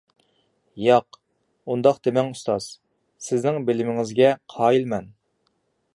ياق، ئۇنداق دېمەڭ ئۇستاز، سىزنىڭ بىلىمىڭىزگە قايىل مەن!